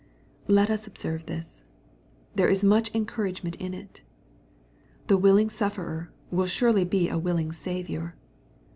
Let us observe this. There is much encouragement in it. fThe willing sufferer will surely be a willing Saviour.